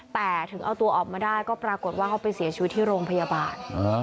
แต่ถึงเอาตัวออกมาได้ก็ปรากฏว่าเขาไปเสียชีวิตที่โรงพยาบาล